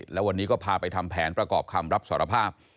แล้ววันนี้ก็พาไปทำแผนประกอบคำรับสารภาพ